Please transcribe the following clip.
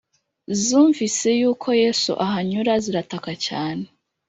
zumvise yuko Yesu ahanyura zirataka cyane